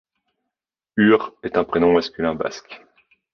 Ur est un prénom masculin basque.